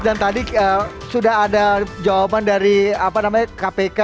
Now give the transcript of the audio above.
dan tadi sudah ada jawaban dari kpk